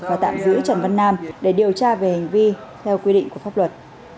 và tạm giữ trần văn nam để điều tra về hành vi theo quy định của pháp luật